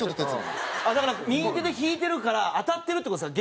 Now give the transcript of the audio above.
だから右手で弾いてるから当たってるって事ですか？